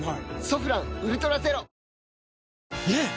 「ソフランウルトラゼロ」ねえ‼